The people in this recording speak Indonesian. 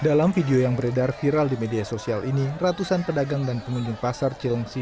dalam video yang beredar viral di media sosial ini ratusan pedagang dan pengunjung pasar cilengsi